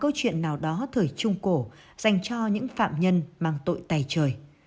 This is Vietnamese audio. câu chuyện nào đó thời trung cổ dành cho những phạm nhân mang tội tài trời